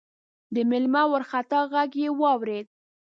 د مېلمه وارخطا غږ يې واورېد: